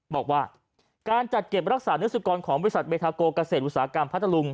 บอกว่าการจัดเก็บรักษาเนื้อสุกรของบริษัทเมธาโกเกษตรอุตสาหกรรมพัทธลุง